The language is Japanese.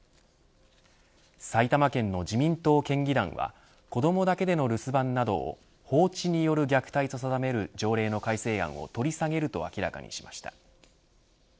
埼玉県の自民党県議団は子どもだけでの留守番などを放置による虐待と定める条例の改正案を取り下げると明らかにしました。